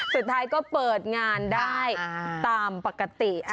สุดท้ายก็เปิดงานได้ตามปกติ